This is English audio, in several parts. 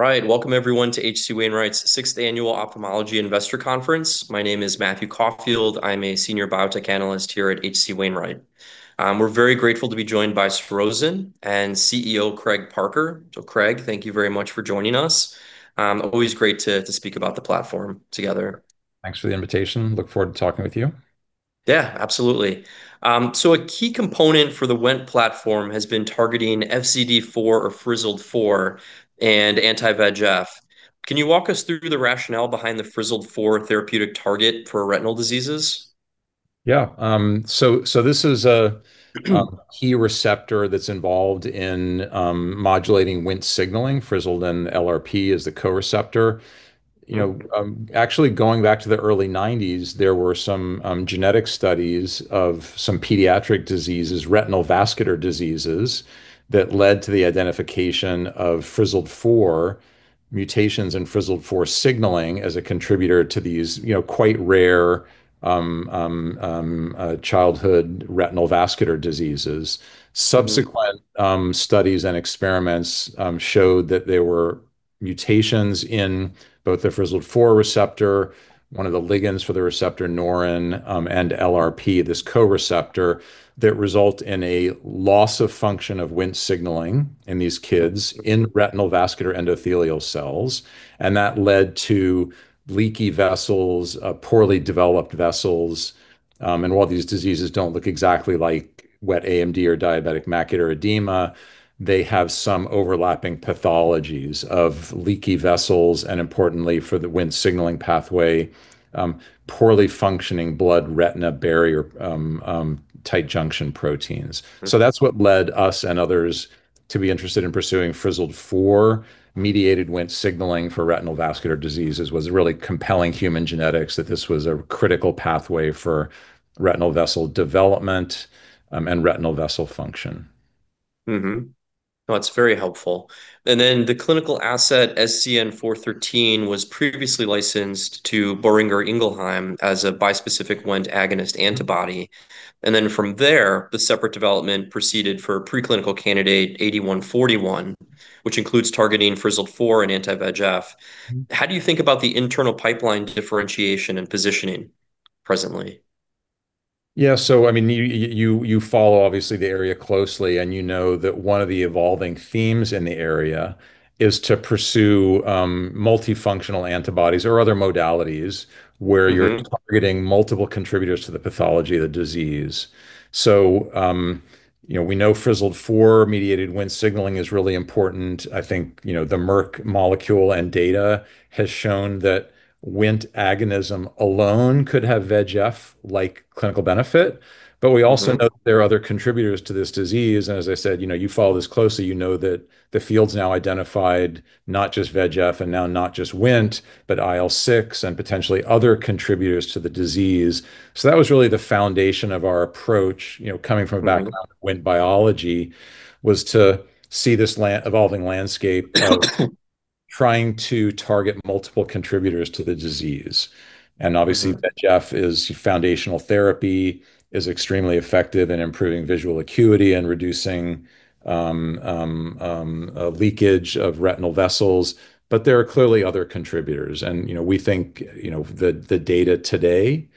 Welcome everyone to H.C. Wainwright's 6th Annual Ophthalmology Investor Conference. My name is Matthew Caufield. I'm a Senior Biotech Analyst here at H.C. Wainwright. We're very grateful to be joined by Surrozen and CEO Craig Parker. Craig, thank you very much for joining us. Always great to speak about the platform together. Thanks for the invitation. Look forward to talking with you. Yeah, absolutely. A key component for the Wnt platform has been targeting Fzd4 or Frizzled-4 and anti-VEGF. Can you walk us through the rationale behind the Frizzled-4 therapeutic target for retinal diseases? Yeah. This is a key receptor that's involved in modulating Wnt signaling. Frizzled and LRP is the co-receptor. Actually, going back to the early '90s, there were some genetic studies of some pediatric diseases, retinal vascular diseases, that led to the identification of Frizzled-4 mutations and Frizzled-4 signaling as a contributor to these quite rare childhood retinal vascular diseases. Subsequent studies and experiments showed that there were mutations in both the Frizzled-4 receptor, one of the ligands for the receptor, Norrin, and LRP, this co-receptor, that result in a loss of function of Wnt signaling in these kids in retinal vascular endothelial cells. That led to leaky vessels, poorly developed vessels. While these diseases don't look exactly like wet AMD or diabetic macular edema, they have some overlapping pathologies of leaky vessels and importantly, for the Wnt signaling pathway, poorly functioning blood-retinal barrier tight junction proteins. That's what led us and others to be interested in pursuing Frizzled-4 mediated Wnt signaling for retinal vascular diseases was really compelling human genetics that this was a critical pathway for retinal vessel development and retinal vessel function. No, it's very helpful. The clinical asset SZN-413 was previously licensed to Boehringer Ingelheim as a bispecific Wnt agonist antibody. From there, the separate development proceeded for preclinical candidate 8141, which includes targeting Frizzled-4 and anti-VEGF. How do you think about the internal pipeline differentiation and positioning presently? Yeah. You follow obviously the area closely, and you know that one of the evolving themes in the area is to pursue multifunctional antibodies or other modalities. Where you're targeting multiple contributors to the pathology of the disease. We know Frizzled-4 mediated Wnt signaling is really important. I think the Merck molecule and data has shown that Wnt agonism alone could have VEGF-like clinical benefit. We also know there are other contributors to this disease. As I said, you follow this closely, you know that the field's now identified not just VEGF and now not just Wnt, but IL-6 and potentially other contributors to the disease. That was really the foundation of our approach, coming from a background in Wnt biology, was to see this evolving landscape of trying to target multiple contributors to the disease. Obviously, VEGF is foundational therapy, is extremely effective in improving visual acuity and reducing leakage of retinal vessels. There are clearly other contributors, and we think the data today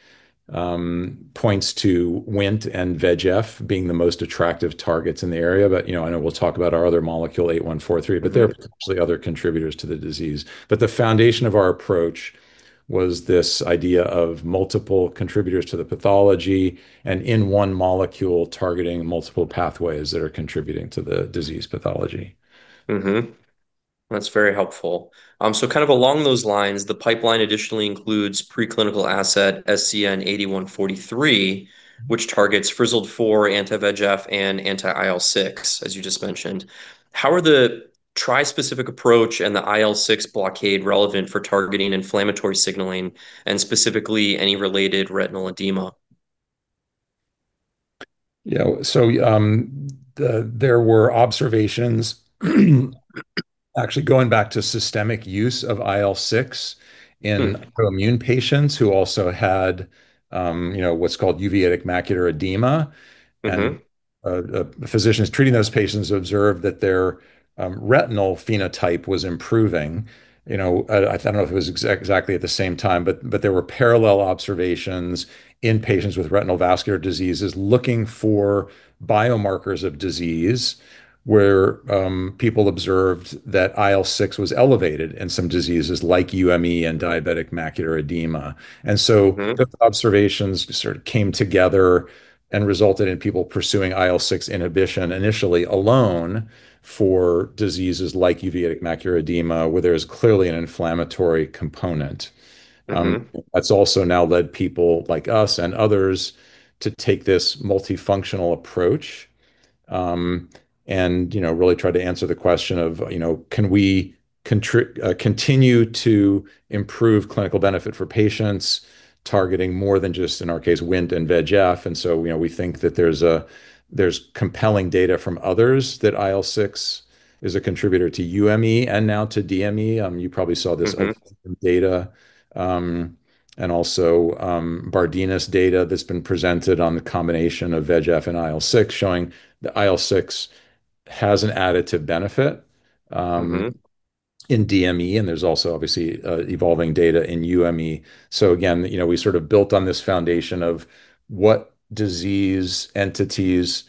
points to Wnt and VEGF being the most attractive targets in the area. I know we'll talk about our other molecule, 8143. There are potentially other contributors to the disease. The foundation of our approach was this idea of multiple contributors to the pathology, and in one molecule targeting multiple pathways that are contributing to the disease pathology. That's very helpful. Kind of along those lines, the pipeline additionally includes preclinical asset SZN-8143, which targets Frizzled-4, anti-VEGF, and anti-IL-6, as you just mentioned. How are the tri-specific approach and the IL-6 blockade relevant for targeting inflammatory signaling and specifically any related retinal edema? There were observations, actually going back to systemic use of IL-6 in autoimmune patients who also had what's called uveitic macular edema. The physicians treating those patients observed that their retinal phenotype was improving. I don't know if it was exactly at the same time, but there were parallel observations in patients with retinal vascular diseases looking for biomarkers of disease, where people observed that IL-6 was elevated in some diseases like UME and diabetic macular edema. The observations sort of came together and resulted in people pursuing IL-6 inhibition initially alone for diseases like uveitic macular edema, where there is clearly an inflammatory component. That's also now led people like us and others to take this multifunctional approach, and really try to answer the question of can we continue to improve clinical benefit for patients targeting more than just, in our case, Wnt and VEGF? We think that there's compelling data from others that IL-6 is a contributor to UME and now to DME. You probably saw this data. Also [BARDENAS] data that's been presented on the combination of VEGF and IL-6 showing that IL-6 has an additive benefit in DME. There's also obviously evolving data in UME. Again, we built on this foundation of what disease entities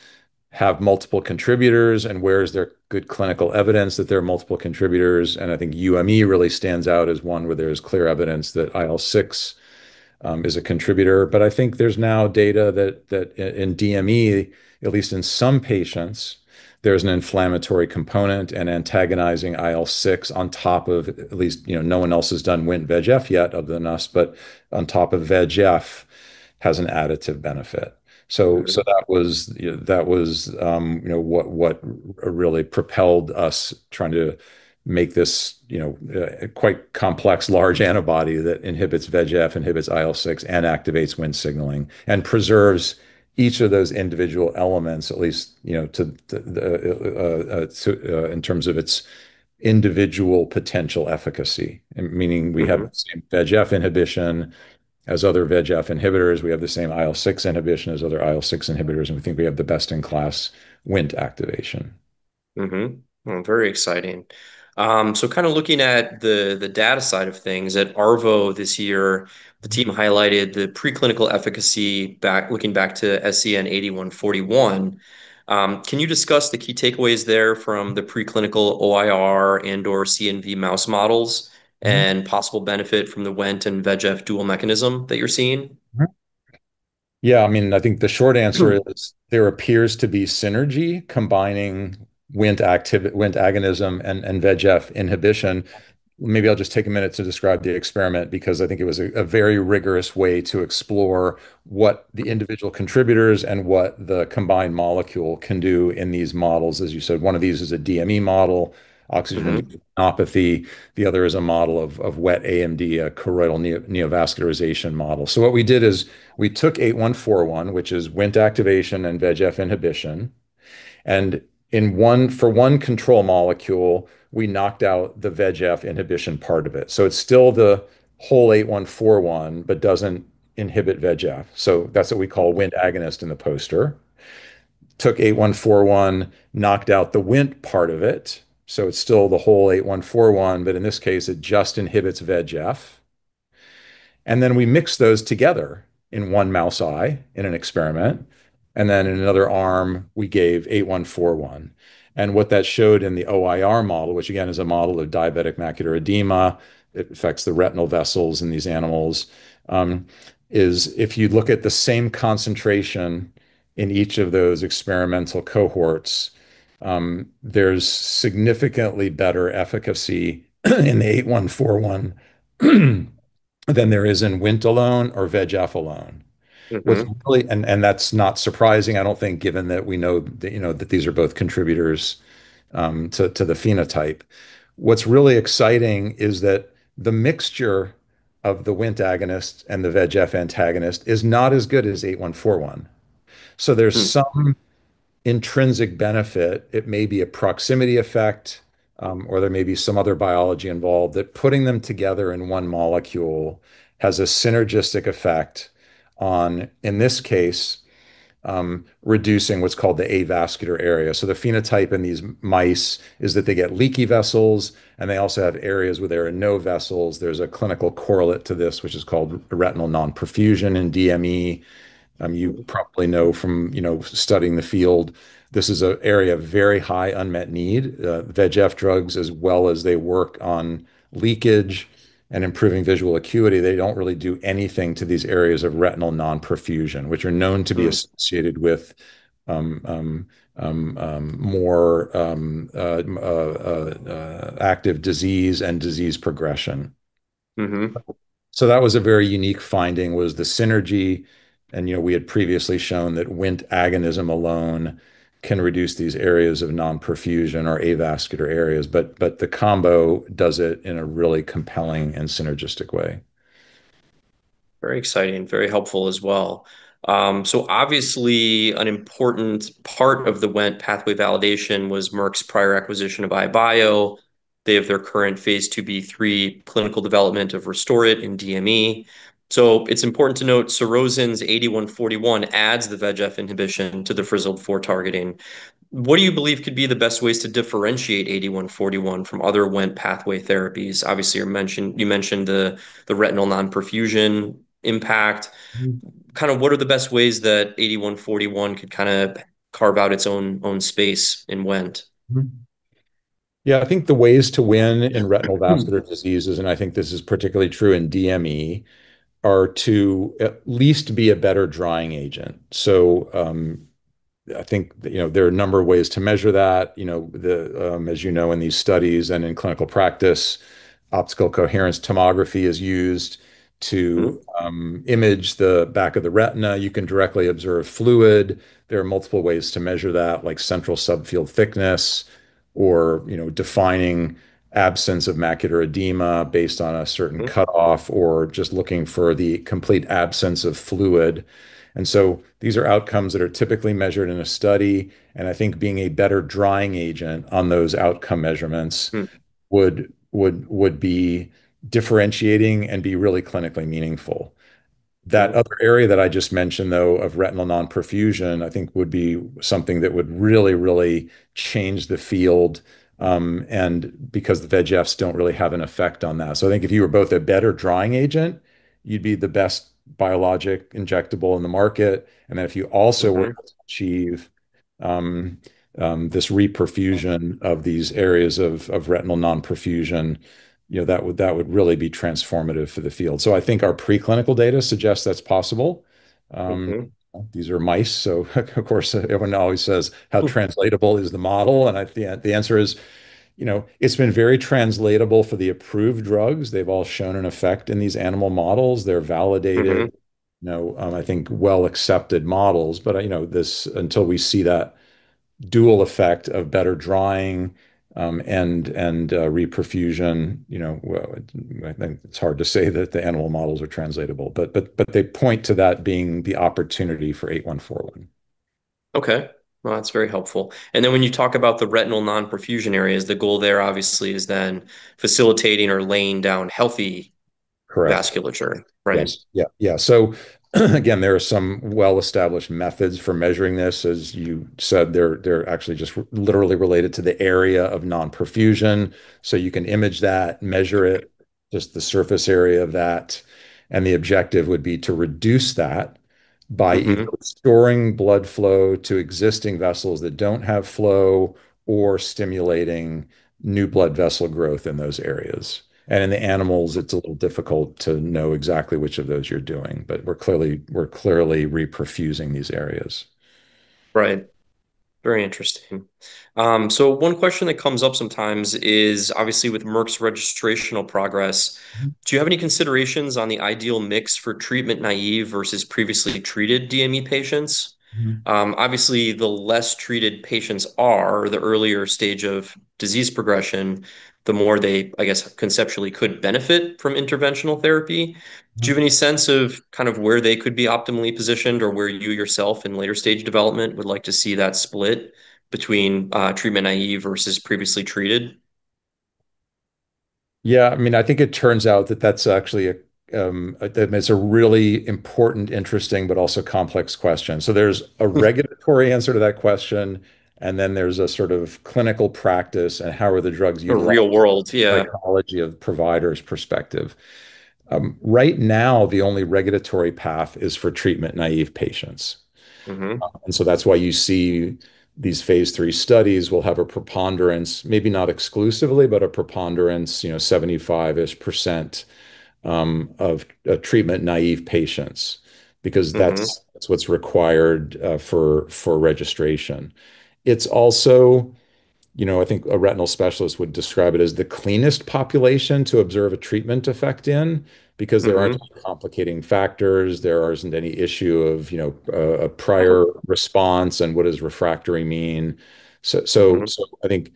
have multiple contributors, and where is there good clinical evidence that there are multiple contributors. I think UME really stands out as one where there is clear evidence that IL-6 is a contributor. I think there's now data that in DME, at least in some patients, there's an inflammatory component and antagonizing IL-6 on top of, at least no one else has done Wnt VEGF yet other than us, but on top of VEGF has an additive benefit. That was what really propelled us trying to make this quite complex, large antibody that inhibits VEGF, inhibits IL-6, and activates Wnt signaling, and preserves each of those individual elements, at least in terms of its individual potential efficacy. Meaning we have the same VEGF inhibition as other VEGF inhibitors. We have the same IL-6 inhibition as other IL-6 inhibitors. We think we have the best-in-class Wnt activation. Very exciting. Looking at the data side of things, at ARVO this year, the team highlighted the preclinical efficacy looking back to SZN-8141. Can you discuss the key takeaways there from the preclinical OIR and/or CNV mouse models and possible benefit from the Wnt and VEGF dual mechanism that you're seeing? I think the short answer is there appears to be synergy combining Wnt agonism and VEGF inhibition. Maybe I'll just take a minute to describe the experiment, because I think it was a very rigorous way to explore what the individual contributors and what the combined molecule can do in these models. As you said, one of these is a DME model, oxygen-induced retinopathy. The other is a model of wet AMD, a choroidal neovascularization model. What we did is we took 8141, which is Wnt activation and VEGF inhibition, and for one control molecule, we knocked out the VEGF inhibition part of it. It's still the whole 8141, but doesn't inhibit VEGF. That's what we call Wnt agonist in the poster. Took 8141, knocked out the Wnt part of it's still the whole 8141, but in this case, it just inhibits VEGF. We mixed those together in one mouse eye in an experiment, in another arm, we gave 8141. What that showed in the OIR model, which again is a model of diabetic macular edema, it affects the retinal vessels in these animals, is if you look at the same concentration in each of those experimental cohorts, there's significantly better efficacy in the 8141 than there is in Wnt alone or VEGF alone. That's not surprising, I don't think, given that we know that these are both contributors to the phenotype. What's really exciting is that the mixture of the Wnt agonist and the VEGF antagonist is not as good as 8141. There's some intrinsic benefit. It may be a proximity effect, or there may be some other biology involved that putting them together in one molecule has a synergistic effect on, in this case, reducing what's called the avascular area. The phenotype in these mice is that they get leaky vessels, and they also have areas where there are no vessels. There's a clinical correlate to this, which is called retinal non-perfusion in DME. You probably know from studying the field, this is an area of very high unmet need. VEGF drugs, as well as they work on leakage and improving visual acuity, they don't really do anything to these areas of retinal non-perfusion, which are known to be associated with more active disease and disease progression. That was a very unique finding, was the synergy, and we had previously shown that Wnt agonism alone can reduce these areas of non-perfusion or avascular areas. The combo does it in a really compelling and synergistic way. Very exciting. Very helpful as well. Obviously, an important part of the Wnt pathway validation was Merck's prior acquisition of EyeBio. They have their current phase II-B/III clinical development of Restoret in DME. It's important to note Surrozen's 8141 adds the VEGF inhibition to the Frizzled-4 targeting. What do you believe could be the best ways to differentiate 8141 from other Wnt pathway therapies? Obviously, you mentioned the retinal non-perfusion impact. What are the best ways that 8141 could carve out its own space in Wnt? Yeah, I think the ways to win in retinal vascular diseases, and I think this is particularly true in DME, are to at least be a better drying agent. I think there are a number of ways to measure that. As you know, in these studies and in clinical practice, optical coherence tomography is used to image the back of the retina. You can directly observe fluid. There are multiple ways to measure that, like central subfield thickness or defining absence of macular edema based on a certain cutoff, or just looking for the complete absence of fluid. These are outcomes that are typically measured in a study, and I think being a better drying agent on those outcome measurements would be differentiating and be really clinically meaningful. That other area that I just mentioned, though, of retinal non-perfusion, I think would be something that would really change the field because the VEGFs don't really have an effect on that. I think if you were both a better drying agent, you'd be the best biologic injectable in the market. If you also were able to achieve this reperfusion of these areas of retinal non-perfusion, that would really be transformative for the field. I think our preclinical data suggests that's possible. These are mice, so of course, everyone always says how translatable is the model, and the answer is it's been very translatable for the approved drugs. They've all shown an effect in these animal models. They're validated. I think well-accepted models. Until we see that dual effect of better drawing and reperfusion, I think it's hard to say that the animal models are translatable. They point to that being the opportunity for 8141. Okay. Well, that's very helpful. When you talk about the retinal non-perfusion areas, the goal there obviously is then facilitating or laying down healthy vasculature, right? Yeah. Again, there are some well-established methods for measuring this. As you said, they're actually just literally related to the area of non-perfusion. You can image that, measure it, just the surface area of that, and the objective would be to reduce that by either restoring blood flow to existing vessels that don't have flow or stimulating new blood vessel growth in those areas. In the animals, it's a little difficult to know exactly which of those you're doing. We're clearly reperfusing these areas. Right. Very interesting. One question that comes up sometimes is obviously with Merck's registrational progress. Do you have any considerations on the ideal mix for treatment-naive versus previously treated DME patients? Obviously, the less treated patients are, the earlier stage of disease progression, the more they, I guess, conceptually could benefit from interventional therapy. Do you have any sense of where they could be optimally positioned or where you yourself in later stage development would like to see that split between treatment-naive versus previously treated? Yeah, I think it turns out that that's actually a really important, interesting but also complex question. There's a regulatory answer to that question, and then there's a sort of clinical practice and how are the drugs utilized. The real world, yeah. Psychology of the provider's perspective. Right now the only regulatory path is for treatment-naive patients. That's why you see these phase III studies will have a preponderance, maybe not exclusively, but a preponderance, 75% of treatment-naive patients, because what's required for registration. It's also, I think a retinal specialist would describe it as the cleanest population to observe a treatment effect in because there aren't complicating factors. There isn't any issue of a prior response and what does refractory mean. I think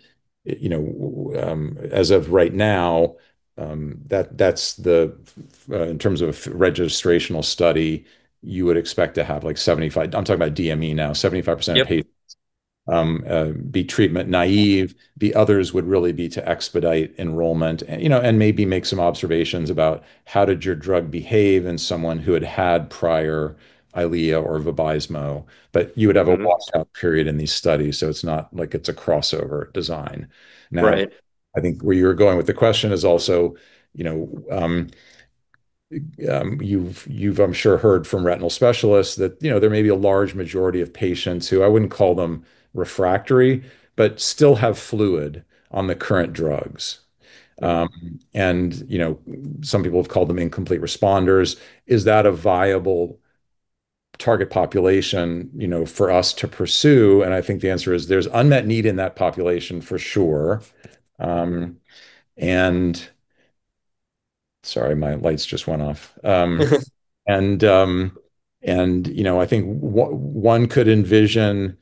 as of right now, in terms of registrational study, you would expect to have 75%, I'm talking about DME now, 75% of patients be treatment-naive. The others would really be to expedite enrollment and maybe make some observations about how did your drug behave in someone who had had prior Eylea or Vabysmo, but you would have washout period in these studies, so it's not like it's a crossover design. Right. I think where you're going with the question is also you've, I'm sure, heard from retinal specialists that there may be a large majority of patients who, I wouldn't call them refractory, but still have fluid on the current drugs. Some people have called them incomplete responders. Is that a viable target population for us to pursue? I think the answer is there's unmet need in that population for sure. Sorry, my lights just went off. I think one could envision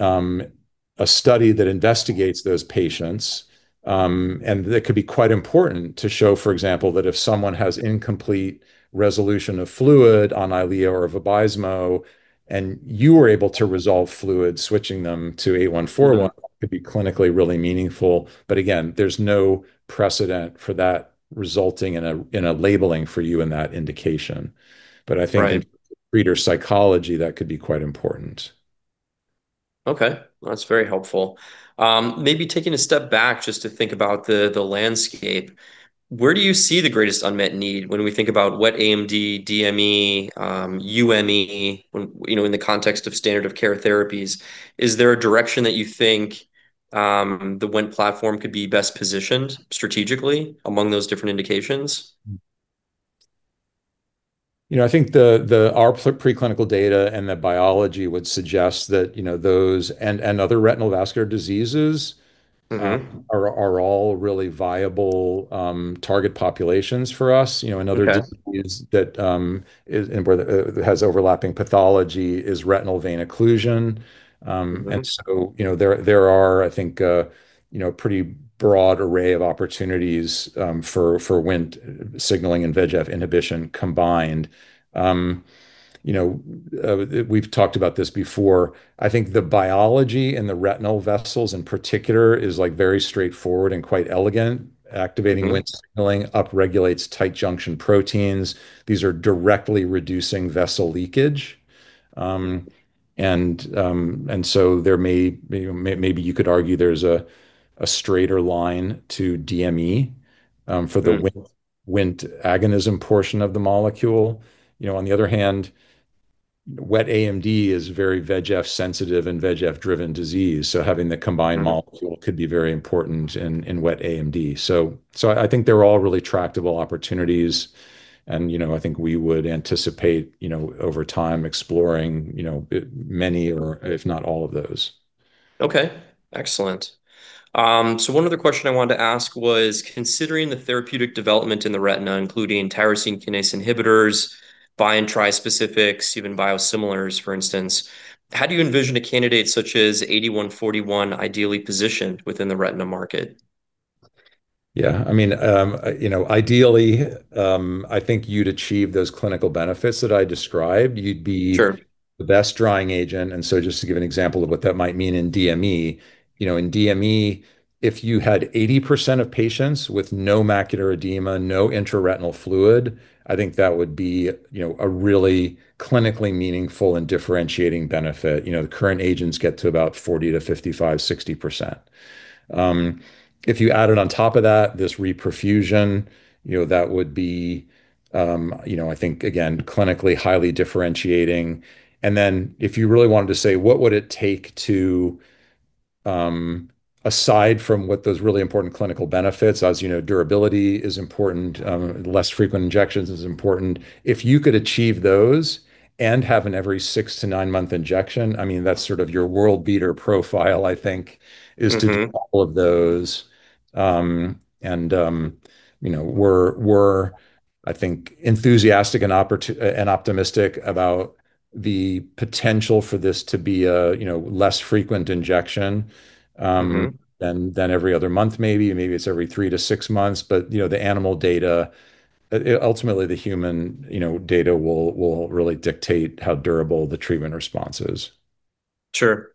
a study that investigates those patients, and that could be quite important to show, for example, that if someone has incomplete resolution of fluid on Eylea or Vabysmo and you are able to resolve fluid, switching them to 8141 could be clinically really meaningful. Again, there's no precedent for that resulting in a labeling for you in that indication. I think in reader psychology, that could be quite important. Okay. That's very helpful. Maybe taking a step back just to think about the landscape. Where do you see the greatest unmet need when we think about wet AMD, DME, UME, in the context of standard of care therapies? Is there a direction that you think the Wnt platform could be best positioned strategically among those different indications? I think our preclinical data and the biology would suggest that those and other retinal vascular diseases are all really viable target populations for us. Another disease that has overlapping pathology is retinal vein occlusion. There are, I think, a pretty broad array of opportunities for Wnt signaling and VEGF inhibition combined. We've talked about this before. I think the biology in the retinal vessels in particular is very straightforward and quite elegant. Activating Wnt signaling up regulates tight junction proteins. These are directly reducing vessel leakage. Maybe you could argue there's a straighter line to DME for the Wnt agonism portion of the molecule. On the other hand, wet AMD is very VEGF-sensitive and VEGF-driven disease, having the combined molecule could be very important in wet AMD. I think they're all really tractable opportunities and I think we would anticipate, over time, exploring many or if not all of those. Okay. Excellent. One other question I wanted to ask was, considering the therapeutic development in the retina, including tyrosine kinase inhibitors, bi and trispecifics, even biosimilars, for instance, how do you envision a candidate such as 8141 ideally positioned within the retina market? Yeah. Ideally, I think you'd achieve those clinical benefits that I described. You'd be the best drying agent. Just to give an example of what that might mean in DME. In DME, if you had 80% of patients with no macular edema, no intraretinal fluid, I think that would be a really clinically meaningful and differentiating benefit. The current agents get to about 40%-55%, 60%. If you added on top of that, this reperfusion, that would be I think, again, clinically highly differentiating. If you really wanted to say, what would it take to, aside from what those really important clinical benefits, as you know, durability is important, less frequent injections is important. If you could achieve those and have an every six-nine month injection, that's sort of your world beater profile, I think is to do all of those. We're, I think, enthusiastic and optimistic about the potential for this to be a less frequent injection than every other month maybe, or maybe it's every three-six months. The animal data, ultimately the human data will really dictate how durable the treatment response is. Sure.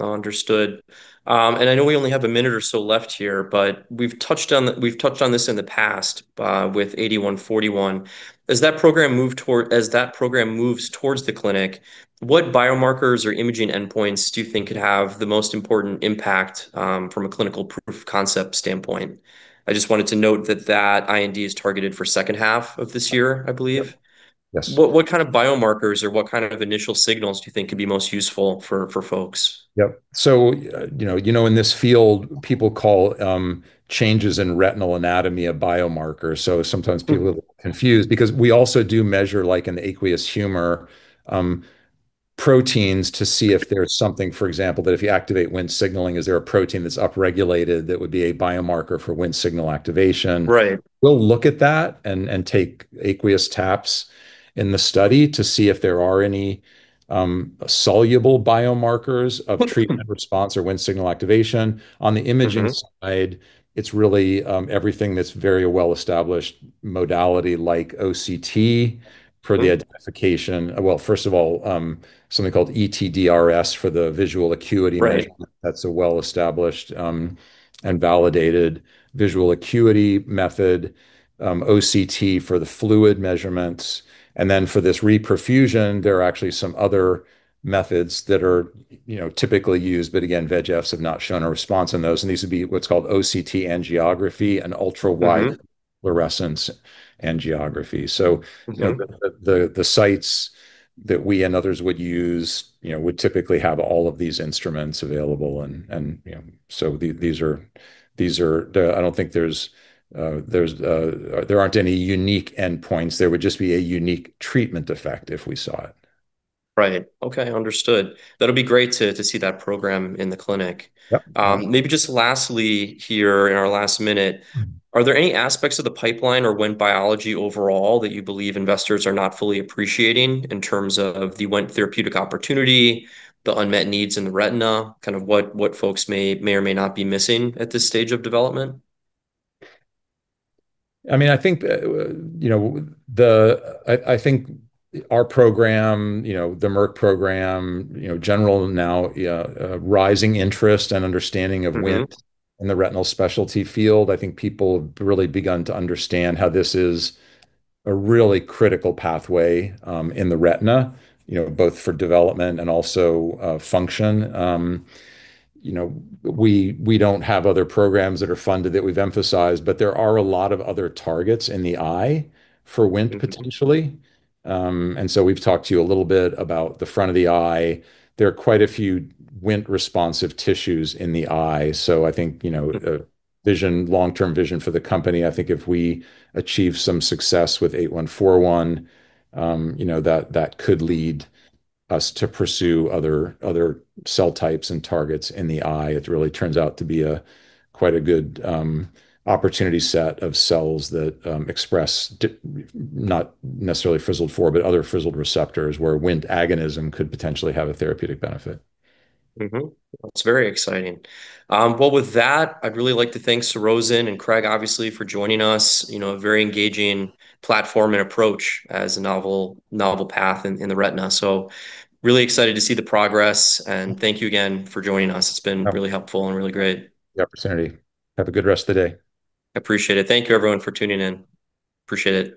Understood. I know we only have a minute or so left here, but we've touched on this in the past, with 8141. As that program moves towards the clinic, what biomarkers or imaging endpoints do you think could have the most important impact, from a clinical proof concept standpoint? I just wanted to note that that IND is targeted for second half of this year, I believe. Yes. What kind of biomarkers or what kind of initial signals do you think could be most useful for folks? Yep. In this field, people call changes in retinal anatomy a biomarker. Sometimes people get confused because we also do measure like an aqueous humor proteins to see if there's something, for example, that if you activate Wnt signaling, is there a protein that's upregulated that would be a biomarker for Wnt signal activation? Right. We'll look at that and take aqueous taps in the study to see if there are any soluble biomarkers of treatment response or Wnt signal activation. On the imaging side, it's really everything that's very well-established modality like OCT for the identification. Well, first of all, something called ETDRS for the visual acuity measurement. Right. That's a well-established and validated visual acuity method. OCT for the fluid measurements. For this reperfusion, there are actually some other methods that are typically used, but again, VEGFs have not shown a response on those. These would be what's called OCT angiography and ultra wide fluorescence angiography. The sites that we and others would use would typically have all of these instruments available. I don't think there aren't any unique endpoints. There would just be a unique treatment effect if we saw it. Right. Okay. Understood. That'll be great to see that program in the clinic. Yep. Maybe just lastly here in our last minute, are there any aspects of the pipeline or Wnt biology overall that you believe investors are not fully appreciating in terms of the Wnt therapeutic opportunity, the unmet needs in the retina, kind of what folks may or may not be missing at this stage of development? I think our program, the Merck program, general now rising interest and understanding of Wnt in the retinal specialty field. I think people have really begun to understand how this is a really critical pathway in the retina, both for development and also function. We don't have other programs that are funded that we've emphasized, but there are a lot of other targets in the eye for Wnt potentially. We've talked to you a little bit about the front of the eye. There are quite a few Wnt responsive tissues in the eye. I think long-term vision for the company, I think if we achieve some success with 8141, that could lead us to pursue other cell types and targets in the eye. It really turns out to be quite a good opportunity set of cells that express, not necessarily Frizzled-4, but other frizzled receptors where Wnt agonism could potentially have a therapeutic benefit. That's very exciting. Well, with that, I'd really like to thank Surrozen and Craig obviously for joining us. A very engaging platform and approach as a novel path in the retina. Really excited to see the progress and thank you again for joining us. It's been really helpful and really great. The opportunity. Have a good rest of the day. I appreciate it. Thank you everyone for tuning in. Appreciate it.